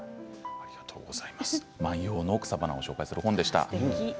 万葉の草花を紹介する本でした。